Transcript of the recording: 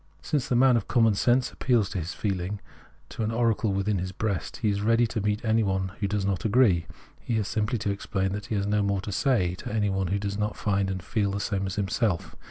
Since the man of common sense appeals to his feehng, to an oracle within his breast, he is ready to meet any one who does not agree. He has simply to explain that he has no more to say to any one who Preface 69 does not find and feel the same as himself.